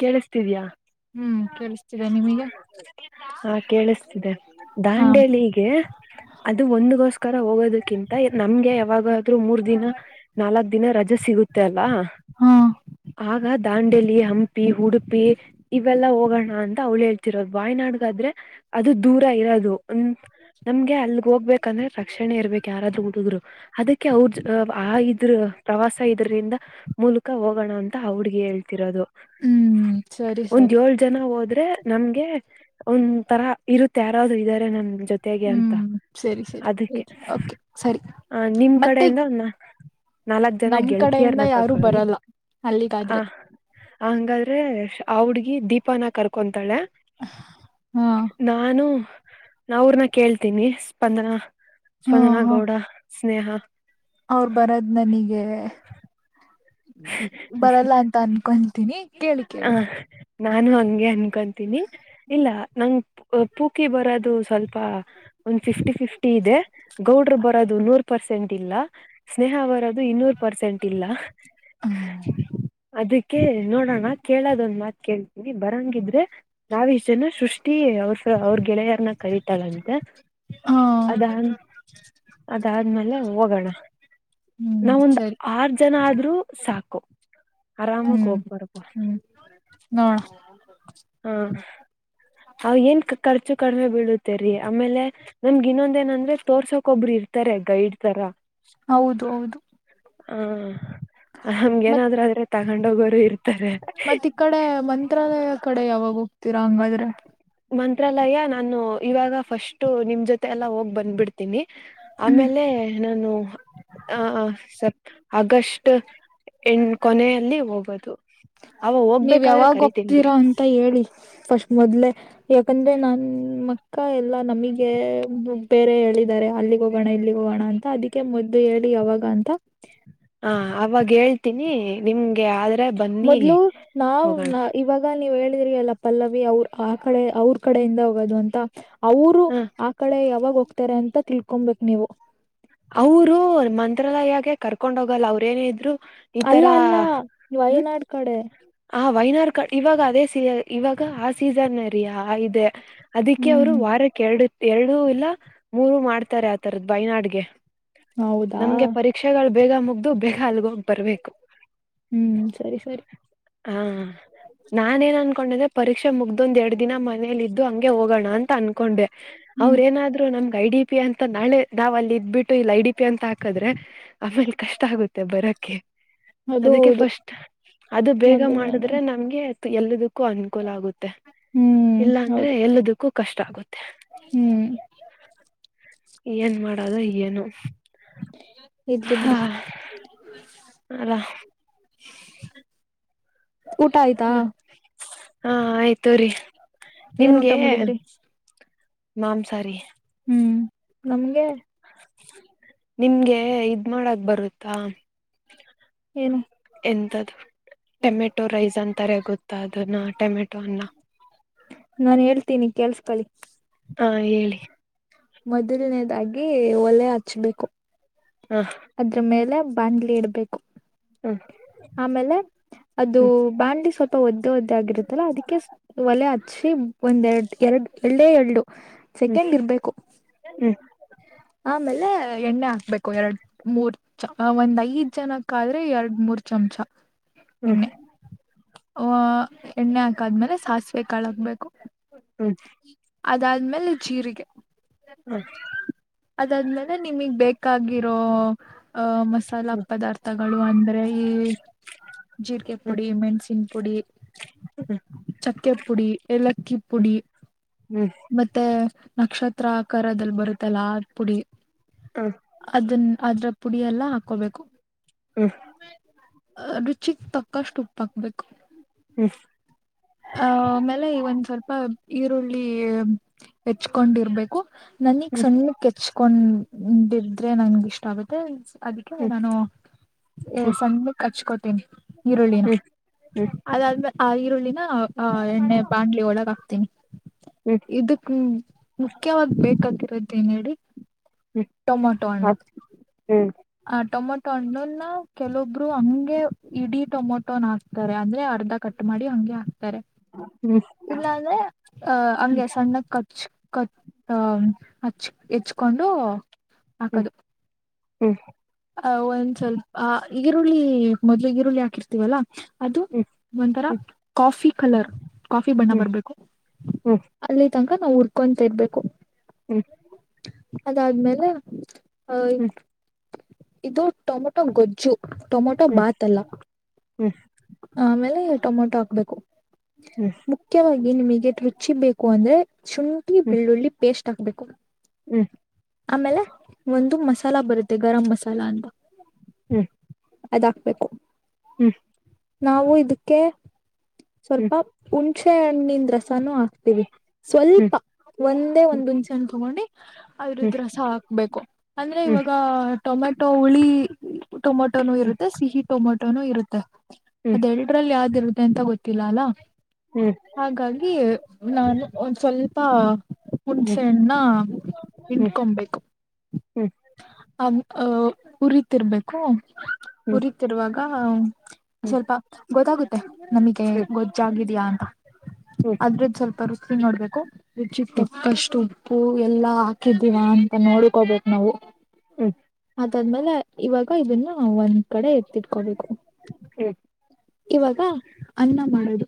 ಕೇಳಿಸ್ತಿದ್ಯಾ ಇಷ್ಟಿದೆ ನಿಮಗೆ ಹಾ ಕೇಳಿಸ್ತಿದೆ ಹಾ ದಾಂಡೇಲಿ ಹೀಗೆ ಅದು ಒಂದ್ಗೋಸ್ಕರ ಹೋಗೋದಕ್ಕಿಂತ ನಮ್ಗೆ ಯಾವಾಗಾದ್ ಮೂರ್ ದಿನ ನಾಲ್ಕ್ ದಿನ ರಜೆ ಸಿಗುತ್ತೆ ಅಲ್ವಾ ಹಾ ಆಗ ದಾಂಡೆಲಿ ಹಂಪಿ ಉಡುಪಿ ಇವೆಲ್ಲಾ ಹೋಗೋಣ ಅಂತ ಅವ್ಳು ಹೇಳ್ತಿರೋದು ವಾಯ್ನಾಡ್ಗಾದ್ರೆ ಅದು ದೂರ ಇರೋದು ಒ ನಮ್ಗೆ ಅಲ್ಗ್ ಹೋಗ್ಬೇಕಂದ್ರೆ ರಕ್ಷಣೆ ಇರ್ಬೇಕಕ್ ಯಾರಾದ್ ಊಟದ್ರು ಅದಕ್ಕೆ ಅವ್ರ ಆ ಇದ್ರ ಪ್ರವಾಸ ಇದ್ರಿಂದ ಮೂಲಕ ಹೋಗೋಣ ಅಂತ ಹುಡ್ಗಿ ಹೇಳ್ತಿ ದು ಹ್ಮ್ ಸರಿ ಒಂದ ಸರಿ ಏಳ್ ಜನ ಹೋದ್ರೆ ಮೆ ನಮ್ಗೆ ಒಂದ್ ತರ ಇರುತ್ತೆ ಯಾರ್ದೂ ಇದ್ದಾರೆ ನಮ್ ಜೊತೆಗೆ ಅಂತ ಹ್ಮ್ ಸರಿ ಸರಿ ಅದಕ್ಕೆ ಓಕೆ ಸರಿ ಆ ನಿಮ್ ಮತ್ತೆ ಕಡೆಯಿಂದ ಉನ್ನ ನಾಲ್ಕ್ ಜನ ನಮ್ ಕಡೆಯಿಂದ ಗೆಳತಿಯಾರನ ಯಾರು ಕರ್ಕೊಳ್ಳಿ ಬರಲ್ಲ ಆ ಅಲ್ಲಿಗಾದ್ರೆ ಹಂಗಾದ್ರೆ ಆ ಹುಡ್ಗಿ ದೀಪಾನ ಕರ್ಕೊಂತಾಳೆ ಹಾ ನಾನು ನ ಅವ್ರನ್ನ ಕೇಳ್ತೀನಿ ಸ್ಪಂದನ ಸ್ವಂದನಾ ಗೌಡ ಸ್ನೇಹ ಅವರು ಬರದ ನನಿಗೆ ಬರಲ್ಲ ಅಂತ ಅನ್ಕೊಂತ ಹ ನಾನು ಹಂಗೆ ಅನ್ಕೊಂತೀನಿ ಇಲ್ಲ ನಂಗ ಪೂಕಿ ಬರೋದು ಸ್ವಲ್ಪ ಒಂದು ಫಿಫ್ಟಿ ಫಿಫ್ಟಿ ಇದೆ ಗೌಡ್ರು ಬರೋದು ನೂರು ಪರ್ಸೆಂಟ್ ದಿಲ್ಲ ಸ್ನೇಹ ಬರದು ಇನ್ನೂರು ಪರ್ಸೆಂಟ್ ಇಲ್ಲ ಅದಕ್ಕೆ ನೋಡೋಣ ಕೇಳೋದೊಂದ್ ಮಾತ್ ಕೇಳ್ತೀನಿ ಬರಂಗಿದ್ರೆ ನಾವಿಷ್ಟ ಜನ ಸೃಷ್ಟಿ ಅವ್ರ ಅವ್ರ ಗೆಳೆಯರನ ಕರತಾಳಂತೆ ಹಾ ಅದಾದ ಅದಾದ್ಮೇಲೆ ಹೋಗೋಣ ಹ್ಮ್ ನಾವೊಂದ್ ಸರಿ ಆರ್ ಜನ ಆದ್ರರು ಸಾಕು ಆರಾಮಾಗ ಹ್ಮ್ ಹೋಗ್ಬಾರಬು ಹ್ಮ್ ನೋಡ ಹಾ ಅವ ಏನ್ ಖರ್ಚು ಕಡಿಮೆ ಬಿಡುತ್ತೇರಿ ಆಮೇಲೆ ನಮ್ಗ ಇನ್ನೊಂದ ಏನಂದ್ರೆ ತೋರ್ಸೋಕ್ ಒಬ್ರಿ ಇರ್ತಿ ಇತಾರೆ ಗೈಡ್ ತರ ಹೌದು ಹೌದು ಹ ಹಮ್ಗೆ ನಾದ್ರರು ಆದ್ರೆ ತಗೊಂಡ ಹೋಗೋರು ಇರ್ತ ಮತ್ತ ಈ ಕಡೆ ಮಂತ್ರಾಲಯ ಕಡೆ ಯಾವಾಗ ಹೋಗ್ತೀರಾ ಹಂಗಾದ್ರೆ ಮಂತ್ರಾಲಯ ನಾನು ಇವಾಗ ಫಸ್ಟ್ ನಿಮ್ ಜೊತೆ ಎಲ್ಲಾ ಹೋಗ್ ಬಂದ್ಬಿಡ್ತೀನಿ ಹ್ಮ್ ಆಮೇಲೆ ನಾನು ಆ ಆಗಸ್ಟ್ ಎ ಕೊನೆಯಲ್ಲಿ ಹೋಗೋದು ಅವ ನೀವ್ ಹೋಗ್ಬೇಕಾದ್ರೆ ಯಾವಾಗ ಕರಿತೀನ್ ಒ್ತರಾ ಬಿಡಿ ಅಂತ ಹೇಳಿ ಪಸ್ಟ್ ಮೊದ್ಲೆ ಯಾಕಂದ್ರೆ ನನ್ ಅಕ್ಕ ಎಲ್ಲಾ ನಮಗೆ ಬೇರೆ ಹೇಳಿದ್ದಾರೆ ಅಲ್ಲಿಗೆ ಹೋಗೋಣ ಇಲ್ಲಿಗೆ ಹೋಗ ಹೋಗೋಣ ಅಂತ ಅದಕ್ಕೆ ಮದ್ದು ಹೇಳಿ ಯಾವಾಗ ಅಂತ ಹ ಅವಾಗ ಹೇಳ್ತೀನಿ ನಿಮ್ಗೆ ಆದ್ರೆ ಬನ್ನಿ ಮೊದ್ಲು ನಾವ್ ಹೋಗೋಣ ಇವಾಗ ನೀವ್ ಹೇಳ ದ್ರ ಅಲ್ಲ ಪಲ್ಲವಿ ಅವ್ರ ಆ ಕಡೆ ಅವ್ರ ಕಡೆಯಿಂದ ಹೋಗೋದು ಅಂತ ಅವರು ಹ ಆ ಕಡೆ ಯಾವಾಗ ಹೋಗ್ತಾರೆ ಅಂತ ತಿಳ್ಕೊಬೇಕಕ್ ನೀವು ಅವರು ಮಂತ್ರಾಲಯಾಗೆ ಕರ್ಕೊಂಡ್ ಹೋಗಲ್ಲ ಅವ್ರೇನೇ ಇದ್ರು ಈ ಅಲ್ಲ ತರ ಅಲ್ಲ ಹ್ಮ್ ವಯನಾಡ್ ಕಡೆ ಆ ವೈನಾರ್ ಕಡ್ ಇವಾಗ ಅದೇ ಸ ಇವಾಗ ಆ ಸೀಸನ್ ರೀ ಇದೆ ಅದಕ್ಕೆ ಹ್ಮ್ ಅವ್ರು ಹ್ಮ್ ವಾರಕ್ಕೆ ಎರಡು ಎರಡು ಇಲ್ಲ ಮೂರು ಮಾಡ್ತಾರೆ ಆತರದ ಹೊಯ್ನಾಡಿಗೆ ಹೌದಾ ನಮ್ಗೆ ಪರೀಕ್ಷೆಗಳು ಬೇಗ ಮುಗ್ದು ಬೇಗ ಅಲ್ಗೋಗ್ ಬರ್ಬೇಕು ಹ್ಮ್ ಸರಿ ಸರಿ ಹಾ ನಾನ ನಂಗ ಕೊಂಡದೆ ಪರೀಕ್ಷೆ ಮುಗ್ದೊಂದ ಎರಡ್ ದಿನ ಮನೇಲಿ ಇದ್ದು ಹಂಗೆ ಹೋಗೋಣ ಅಂತ ಅನ್ಕೊಂಡೆ ಹ್ಮ್ ಅವ್ರ ಎನಾದ್ರು ನಮ್ಗ್ ಐ ಡಿ ಪಿ ಅಂತ ನಾಳೆ ನಾವ್ ಅಲ್ಲಿ ಇದ್ಬಿಟ್ಟು ಇಲ್ಲ ಐಡಿ ಪಿ ಅಂತ ಹಾಕದ್ರೆ ಆಮೇಲೆ ಕಷ್ಟ ಆಗುತ್ತೆ ಬರಕ್ಕೆ ಅದು ಅದಕ್ಕೆ ಹೌದು ಫಸ್ಟ್ ಅದು ಬೇಗ ಮೊದಲ ಮಾಡಿದ್ರೆ ನಮ್ಗೆ ಎಲ್ಲದಕ್ಕೂ ಅನುಕೂಲ ಆಗುತ್ತೆ ಹ್ಮ್ ಇಲ್ಲಾ ಅಂದ್ರೆ ಹೌದು ಎಲ್ಲದಕ್ಕೂ ಕಷ್ಟ ಆಗುತ್ತೆ ಹ್ಮ್ ಏನ್ ಮಾಡೋದು ಏನು ಇರ್ಲಿ ಬಿಡಿ ಹಲೋ ಊಟ ಆಯ್ತಾ ಮ- ಹಾ ಆಯ್ತು ರಿ ಏನ್ ಊಟ ಮಾಡಿದ್ರಿ ಮಾಂಸ ರಿ ಹ್ಮ್ ನಮ್ಗೆ ನಿಮ್ಗೆ ಇದ್ ಮಾಡಕ್ ಬರುತ್ತಾ ಏನು ಎಂತ್ದು ಟೊಮೆಟೊ ರೈಸ್ ಅಂತಾರೆ ಗೊತ್ತಾ ಅದ ನಾ ಟೊಮೆಟೊ ಅನ್ನ ನಾನ್ ಹೇಳ್ತೀನಿ ಕೆಲ್ಸ್ ಕಳಿ ಹಾ ಹೇಳಿ ಮೊದಲನೇದಾಗಿ ಒಲೆ ಹಚ್ಬೇಕು ಹಾ ಅದ್ರ ಮೇಲೆ ಬಂಡ್ಲಿ ಇಡ್ಬೇಕು ಹ್ಮ್ ಆಮೇಲೆ ಅದು ಹ್ಮ್ ಬಂಡ್ಲಿ ಸ್ವಲ್ಪ ಒದ್ದ ತೋತಗಿರುತ್ತಲ್ಲ ಅದಕ್ಕೆ ಒಲೆ ಹಚ್ಚಿ ಒಂದಏರಡು ಎರಡು ಎಳ್ಳೇ ಎರು ಹ್ಮ್ ಸೆಕೆಂಡ್ ಇರ್ಬೇಕು ಹ್ಮ್ ಆಮೇಲೆ ಎಣ್ಣೆ ಹಾಕ್ಬೇಕು ಎರಡು ಮೂರ್ ಒಂದ್ ಐದ್ ಜನಕ್ಕ ಆದ್ರೆ ಎರಡ್ ಮೂರ್ ಮೂರು ಚಮಚ ಹ್ಮ್ ಹ್ಮ್ ಎಣ್ಣೆ ಹ ಎಣ್ಣೆ ಹಾಕಾದ್ಮೇಲೆ ಸಾಸಿವೆ ಕಾಳು ಹಕ್ಬೇಕು ಹ್ಮ್ ಅದಾದ್ಮೇಲೆ ಜೀರಿಗೆ ಅದಾದ್ಮೇಲೆ ನಿಮಗ್ ಬೇಕಾಗಿರೋ ಅ ಮಸಾಲಾ ಹ್ಮ್ ಪದಾರ್ಥಗಳು ಅಂದ್ರೆ ಈ ಜೀಕೆ ಹ್ಮ್ ಪುಡಿ ಮೆಣಸಿನ್ ಪುಡಿ ಹ್ಮ್ ಹ್ಮ್ ಹ್ಮ್ ಹ್ಮ್ ಚಕ್ಕೆ ಪುಡಿ ಏಲಕ್ಕಿ ಹ್ಮ್ ಪುಡಿ ಹ್ಮ್ ಮತ್ತೆ ನಕ್ಷತ್ರ ಹತ್ರ ಆಕಾರದಲ್ಲಿ ಬರುತ್ತಲ್ಲ ಆ ಪುಡಿ ಹ್ಮ್ ಅದನ್ನ ಅದ್ರ ಪುಡಿ ಎಲ್ಲ ಹಾಕೋಬೇಕು ಹ್ಮ ರುಚಿ ತಕ್ಕಷ್ಟು ಉಪ್ಪ ಹಾಕ್ಬೇಕು ಹ್ಮ ಆ ಆಮೇಲೆ ಒಂದ್ ಸ್ವಲ್ಪ ಈರುಳ್ಳಿ ಹೆಚ್ಕೊಂಡಿರ್ಬೇಕು ನನಗ್ ಸಣ್ಣ ಕೆಚ್ಕೊಂಡಿದ್ರೆ ನಂಗೆ ಇಷ್ಟ ಆಗುತ್ತೆ ಅದಕ್ಕೆ ನಾನು ಸಂಜ ಹಚ್ಕೊತೀನಿ ಈರುಳ್ಳಿನ ಹ್ಮ್ ಹ್ಮ್ ಹ್ಮ್ ಅದಾದ್ಮೇಲೆ ಆ ಈರುಳ್ಳಿ ಆ ಎಣ್ಣೆ ಬಾಂಡ್ಲಿ ಒಳಗ ಹಾಕ್ತೀನಿ ಹ್ಮ್ ಇದಕ್ ಮುಖ್ಯವಾದ ಡಿ ಹ್ಮ್ ಟೊಮೆಟೋ ಹಣ್ಣ ಅದ್ ಹ್ಮ್ ಆ ಟೊಮಟೊ ತಟಣ್ಣಲ್ನ ಕೆಲವೊಬ್ರು ಹಂಗೆ ಇಡೀ ಟೊಮೊಟೊ ನಾಸ್ ತಾರೆ ಅಂದ್ರೆ ಅರ್ಧ ಕಟ್ ಮಾಡಿ ಹಂಗೆ ಹ್ಮ್ ಇಲ್ಲ ಅಂದ್ರೆ ಅಹ ಹ್ಮ್ ಹಂಗೆ ಸಣ್ಣದ ಖರ್ಚು ಕಟ್ಟ ಹಚ್ ಹೆಚ್ಕೊಂಡು ಹ್ಮ್ ಹ್ಮ್ ಆ ಒಂದ್ ಸ್ವಲ್ಪ ಈರುಳ್ಳಿ ಮೊದ್ಲು ಈರುಳ್ಳಿ ಹಾಕಿರ್ತೀವಲ್ಲ ಅದು ಹ್ಮ್ ಹ್ಮ್ ಒಂಥರ ಕಾಫಿ ಹ್ಮ್ ಕಲರ್ ಕಾಫಿ ಬಣ್ಣ ಹ್ಮ್ ಹ್ಮ್ ಬರ್ಬೇಕು ಹ್ಮ್ ಹ್ಮ್ ಅಲ್ಲಿ ತನಕ ನಾವವು ಹುರ್ಕೊಂತ ಇರ್ಬೇಕು ಹ್ಮ್ ಹ್ಮ್ ಹ್ಮ್ ಹ್ಮ್ ಅದಾದ್ಮೇಲೆ ಅಹ ಇದು ಟೊಮೆಟೊ ಗೊಜ್ಜು ಟೊಮೊಟೊ ಹ್ಮ್ ಹ್ಮ್ ಬಾತ್ಲ್ಲ ಹ್ಮ್ ಹ್ಮ್ ಹ್ಮ್ ಹ್ಮ್ ಹ್ಮ್ ಹ್ಮ್ ಹ್ಮ್ ಹ್ಮ್ ಹ್ಮ್ ಆಮೇಲೆ ಟೊಮೊಟೊ ಹಾಕ್ಬೇಕು ಹ್ಮ್ ಹ್ಮ್ ಹ್ಮ್ ಹ್ಮ್ ಹ್ಮ್ ಮುಖ್ಯವಾಗಿ ನಿಮಗೆ ರುಚಿ ಬೇಕು ಅಂದ್ರೆ ಶುಂಠಿ ಬೆಳ್ಳುಳ್ಳಿ ಪೇಸ್ಟ್ ತಕ್ಬೇಕು ಹ್ಮ್ ಆಮೇಲೆ ಒಂದು ಮಸಾಲ ಬರುತ್ತೆ ಗರಂ್ ಮಸಾಲ ಅಂತ ಹ್ಮ ಅದ್ ಹಾಕ್ಬೇಕು ಹ್ಮ್ ನಾವು ಇದಕ್ಕೆ ಸ್ವಲ್ಪ ಹುಣಚೆ ಹಣ್ಣನ್ ರಸನುೂ ಹಾಕ್ತಿೀವಿ ಸ್ವಲ್ಪ ಒಂದೇ ಒಂದ್ ಹುಣಸೆ ಅನ್ ತಗೊಂಡಿ ಹ್ಮ್ ಹ್ಮ್ ಅ್ರದ್ದ ಹಾ ರಸ ಹಾಕ್ಬೇಕು ಅಂದ್ರೆ ಹ್ಮ್ ಹ್ಮ್ ಇವಾಗ ಟೊಮೆಟೊ ಹುಳಿ ಟೊಮೊಟೋನು ಇರುತ್ತೆ ಸಿಹಿ ಟೊಮೊಟೊನು ಇರುತ್ತೆ ಅದೆ ಹ್ಮ್ ಎಲ್ಡರಲ್ಲಿ ಯಾವ್ದ್ ಇರುತ್ತ ಎಂತ ಗೊತ್ತಿಲ್ಲ ಅಲ್ಲ ಹಾಗಾಗಿ ನಾನು ಒಂದ ಸ್ವಲ್ಪ ಹ್ಮ್ ಹುಣ್ಸೆಣ್ಣ ಹ್ಮ್ ಹ್ಮ್ ಹ್ಮ್ ಇಂಡಕೊಬೇಕು ಹ್ಮ್ ಉರಿತಿರ್ಬೇಕು ಹುರಿತಿರುವಾಗ ಸ್ವಲ್ಪ ಗೊತ್ತಾಗುತ್ತೆ ನಮಗೆ ಗೊಜ್ಜಾಗಿದಯಾ ಅಂತ ಅದ್ರದ ಸ್ವಲ್ಪ ರುಚಿ ನೋಡ್ಬೇಕುರು ರುಚಿಗೆಟಕ್ಟು ಉಪ್ಪು ಎಲ್ಲಾ ಹಾಕಿದ್ದೀವಾ ಅಂತ ನೋಡ್ಕೋಬೇಕ ನಾವು ಅದಾದ್ಮೇಲೆ ಇವಾಗ ಅಕ್ಕ ಇದನ್ನ ಒಂದ್ ಕಡೆ ಎತ್ತಿಟ್ಕೊಬೇಕು ಇವಾಗ ಅನ್ನ ಮಾಡೋದು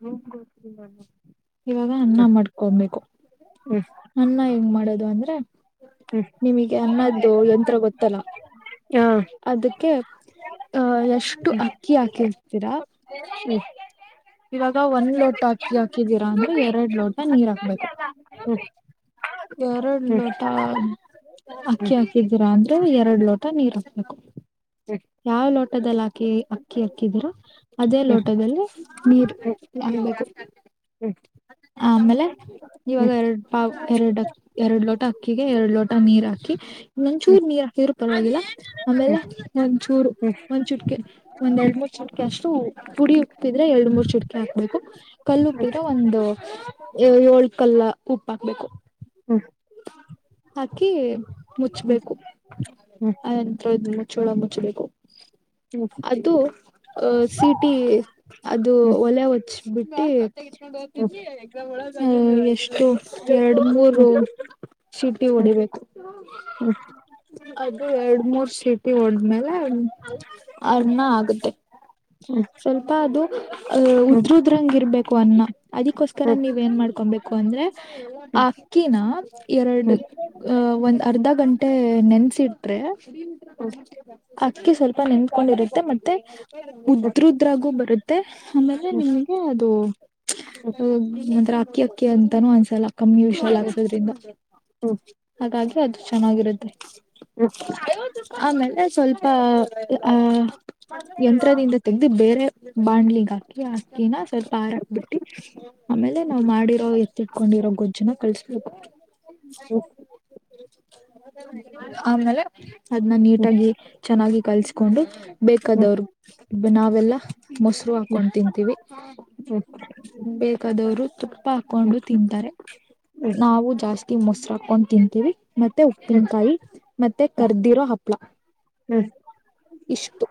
ಹ್ಮತ [inaudible] ಇವಾಗ ಅನ್ನ ಮಾಡ್ಕೊಬೇಕು ಅನ್ನ ಹೆಂಗ್ ಮಾಡೋದು ಅಂದ್ರೆ ಹ್ಮ್ ನಿಮಗೆ ಅನ್ನದ್ದು ಯಂತ್ರ ಗೊತ್ತಲ್ಲ ಅದಕ್ಕೆ ಅಹ ಎಷ್ಟು ಅಕ್ಕಿ ಹಾಕಿರ್ತೀರಾ ಇವಾಗ ಒಂದ್ ಲೋಟ ಹಕ್ಕಿ ಹಾಕಿದೀರಾ ಅಂದ್ರೆ ಎರಡ್ ಲೋಟ ನೀರ್ ಹಾಕ್ಬೇಕು ಸರಿ [unintelligible] ಎರಡು ಲೋಟ ಅಕ್ಕಿ ಹಾಕಿದೀರಾ ಅಂದ್ರೂ ಎರಡ್ ಲೋಟ ನೀರ್ ಹಾಕ್ಬೇಕು ಯಾವ್ ಲೋಟದಲ್ಲಿ ಹಾ ಅಕ್ಕಿ ಅಕ್ಕಿ ಹಕ್ಕಿದರ ಅದೇ ಲೋಟದಲ್ಲಿ ನೀರ್ ಹ್ಮ್ ಆಮೇಲೆ ಇವಾಗ ಎರಡು ಪಾವ ಎರಡು ಅಕ್ಕ ಎರಡ್ ಲೋಟ ಅಕ್ಕಿಗೆ ಎರಡ್ ಲೋಟ ನೀರ್ ಹಾಕಿ ಇನ್ನೊಂಚೂರು ನೀರ್ ಹಾಕಿದ್ರರು ಪರವಾಗಿಲ್ಲ ಹ್ಮ್ ಆಮೇಲೆ ಒಂ ಚೂರು ಹ್ಮ್ ಒಂಚೂಟಕ ಒಂದ್ ಎರಡ್ ಮೂರ್ ಚಿಟಕೆ ಅಷ್ಟು ಹುಡಿ ಉಪ್ಪಿದ್ರೆ ಎರಡ್ ಮೂರ್ ಚಿಟಕಿ ಹಾಕ್ಬೇಕು ಕಲ್ಲುಪ್ಪಿದ್ರೆ ಒಂದು ಏಳ್ಕಲ್ಲ ಉಪ್ಪ ಹಾಕ್ಬೇಕು. ಹ್ಮ ಹಾಕಿ ಮುಚ್ಬೇಕು ಆನಂತರ ಮುಚ್ಚೋಳ ಮುಚ್ಬೇಕು. [unintelligible] ಅಹ ಸಿಟಿ ಅದು ಒಲೆ ಒಚ್ಬಿಟ್ಟಿ. ಹ ಎಷ್ಟು ಎರಡು ಮೂೂರು ಸೀಟಿ ಹೊಡಿಬೇಕು. ಅದು ಎರಡ್ ಮೂರ್ ಸೀಟಿ ಒಡ್ಮೆಲೆ. ಅನ್ನ ಆಗುತ್ತೆ ಸ್ವಲ್ಪ ಅದು. ಅಹ ಉದ್ರದ್ರಂಗ ಇರ್ಬೇಕು ಅನ್ನ ಅದಿಕ್ಕೋಸ್ಕರ ನೀವ್ ಏನ್ ಮಾಡ್ಕೊಬೇಕು ಅಂದ್ರೆ. ಅಕ್ಕಿನ ಎರಡು ಅ ಒಂದು ಅರ್ಧ ಗಂಟೆ ನೆನ್ಸಿಟ್ರೆ. ಅಕ್ಕಿ ಸ್ವಲ್ಪ ನಿನ್ತ್ಕೊಂಡಿರುತ್ತೆ ಮತ್ತೆ. ಉದ್ರದ್ರಾಗು ಬರುತ್ತೆ ಆಮೇಲೆ ನಿಮ್ಗೆ ಅದು ಹ ನಂತರ ಅಕ್ಕಿ ಅಕ್ಕಿ ಅಂತಾನೂ ಅನ್ಸಲ್ಲ ಕಮ್ಮೂಷಲ್ ಹಾಸೋದ್ರಿಂದ ಹಾಗಾಗಿ ಅದು ಚೆನ್ನಾಗಿರುತ್ತೆ. ಆಮೇಲೆ ಸ್ವಲ್ಪ ಆಹ ಯಂತ್ರದಿಂದ ತೆಗೆದು ಬೇರೆ ಬಾಣ್ಲಿಗ್ ಹಾಕಿ ಅಕ್ಕಿನ ಸ್ವಲ್ಪ ಹರಾಕ್ ಬಿಟ್ಟಿ ಆಮೇಲೆ ನಾವ್ ಮಾಡಿರೋ ಎತ್ತಿಟ್ಕೊಂಡಿರೋ ಗೊಜ್ದು ಚೆನ್ನಾಗಿ ಕಳಿಸ್ಬೇಕು [unintelligible] ಆಮೇಲೆ ಅದ್ನ ನೀಟಾಗಿ ಚೆನ್ನಾಗಿ ಕಲ್ಸ್ಕೊಂಡು ಬೇಕಾದವರು ನಾವೆಲ್ಲಾ ಮೊಸರು ಹಾಕೊಂಡ್ ತಿಂತೀವಿ. ಬೇಕಾದವರು ತುಪ್ಪ ಹಾಕೊಂಡು ತಿಂತಾರೆ. ನಾವು ಜಾಸ್ತಿ ಮೊಸರು ಹಾಕೊಂಡ್ ತಿಂತೀವಿ ಮತ್ತೆ ಉಪ್ಪಿನಕಾಯಿ ಮತ್ತೆ ಕರ್ದಿರೋ ಹಪ್ಳ. ಇಷ್ಟು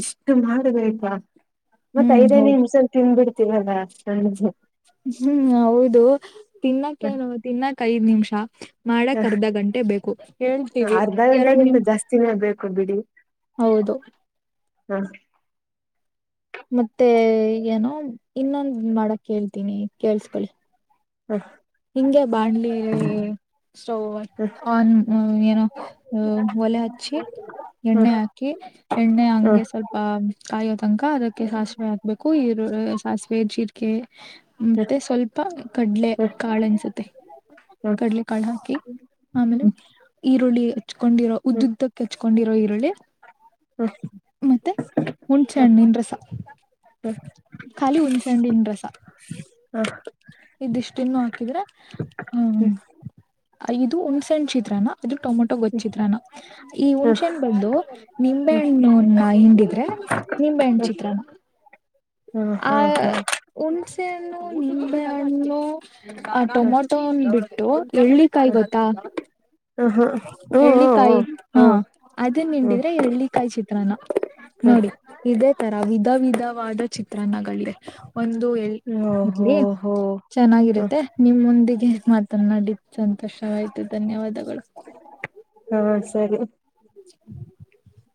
ಇಷ್ಟು ಮಾಡ್ಬೇಕಾ ಮತ್ತೆ ಹ್ಮ್ ಐದೈ ಹೌದು ನಿಮಿಷ ತಿನ್ಬಿಡ್ತೀವಲ್ಲ ನ ಹ್ಮ್ ಹೌದು ತಿನ್ನಕ್ಕೇನು ತಿನ್ನಕ್ ಐದ್ ನಿಮಿಷ. ಮಾಡಕ್ ಅರ್ಧ ಗಂಟೆ ಬೇಕು ಹೇಳ್ತೀವಿ ಅರ್ಧ ಎರಡ್ ಗಂಟೆಗಿಂತ ನಿಮ್ ಜಾಸ್ತಿನೇ ಬೇಕು ಹೌದು ಹಾ ಮತ್ತೆ ಏನೋ ಇನ್ನೊಂದ ಮಾಡಕ್ ಹೇಳ್ತೀನಿ ಕೇಳ್ಸ್ಕೊಳ್ಳಿ. ಹ ಹಿಂಗೆ ಬಾಣ್ಲೆ ಸ್ಟೋವನ್ ಹ ಯ ಏನೋ ಒಲೆ ಹಚ್ಚಿ. ಹ ಹ ಎಣ್ಣೆ ಹಾಕಿ ಎಣ್ಣೆ ಹಂಗೆ ಸ್ವಲ್ಪ ಕಾಯೋ ತನಕ ಅದಕ್ಕೆ ಸಾಸಿವೆ ಹಾಕ್ಬೇಕು ಈ ಸಾಸಿವೆ ಜೀರ್ಕೆ ಹ ಮತ್ತೆ ಸ್ವಲ್ಪ ಕಡ್ಲೆ. ಹ ಹ ಕಾಳು ಅನ್ಸುತ್ತೆ ಕಡಲೆ ಕಾಳು ಹಾಕಿ ಆಮೇಲೆ ಹ್ಮ್ ಈರುಳ್ಳಿ. ಹಚ್ಕೊಂಡಿರೋ ಉದ್ದುದ್ದಕ್ಕೆ ಹಚ್ಕೊಂಡಿರೋ ಈರುಳ್ಳಿ. ಮತ್ತೆ ಹುಣ್ಣ್ಸೆ ಹಣ್ಣಿನ್ ರಸ. ಖಾಲಿ ಹುಣ್ಣ್ಸೆ ಹಣ್ಣಿನ್ ರಸ. ಇದಿಷ್ಟ ಇನ್ನು ಹಾಕಿದ್ರೆ ಹ ಇದು ಹುಂಣ್ಣ್ಸೆನ್ ಚಿತ್ರನ. ಇದ್ರ ಟೊಮೆಟೊ ಗೊಚ್ಚಿದ್ರಾನ ಈ ಹ್ಮ್ ಹುನ್ಸೆನ್ ಬನ್ದು ಹ್ಮ್ ನಿಂಬೆಹಣ್ಣುನ ಹಿಂಡಿದ್ರೆ. ನಿಂಬೆಣ್ ಚಿತ್ರಾನ್ನ ಹ ಹ್ಮ್ ಹ್ಮ್ ಹ್ಮ್ ಹ್ಮ್ ಹ್ಮ್ ಹ್ಮ್ ಹ್ಮ್ ಹ್ಮ್ ಹ್ಮ್ ಹೂಣ್ಸ್ ಹುಣ್ಣ್ಸೆಣ್ಣು ಹಣ್ಣು ಆ ಹ್ಮ್ ಟೊಮೊಟೋ ಒನ್ ಬಿಟ್ಟು. ಎಳ್ಳಿ ಕಾಯಿ ಗೊತ್ತಾ. ಹ ಹಾ ಎಳ್ಳಿಕಾಯಿ ಹ್ಮ್ ಹಾ ಹ್ಮ್ ಅದನ್ನ ಹ್ಮ್ ಹ್ಮ್ ನಿಂಡಿದ್ರೆ ಎಳ್ಳಿಕಾಯಿ ಚಿತ್ರಾನ. ಹ್ಮ್ ನೋಡಿ ಇದೇ ತರ ವಿಧ ವಿಧವಾದ ಚಿತ್ರನ್ನಗಳಿವೆ. ಒಂದು ಎ ಹ್ಮ್ ಓ ಹೋ ಇರ್ಲಿ ಹೋ ಚೆನ್ನಾಗಿರುತ್ತೆ ನಿಮ್ಮ ಮುಂದಿಗೆ ಮಾತನಾಡಿ. ಸಂತೋಷವಾಯ್ತು ಧನ್ಯವಾದಗಳು. ಹಾ ಸರಿ [unintelligible]